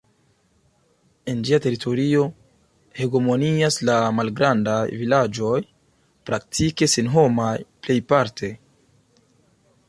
En ĝia teritorio hegemonias la malgrandaj vilaĝoj, praktike senhomaj plejparte.